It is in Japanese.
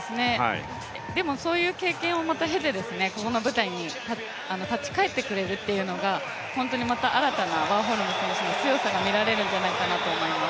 でもそういう経験をまた経て、ここの舞台に立ち返ってくれるというのが本当にまた新たなワーホルム選手の強さが見られるんじゃないかと思います。